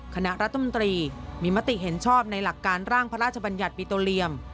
คณะรัฐมนตรีมีมติเห็นชอบในหลักการร่างพระราชบัญญัติปิโตเรียม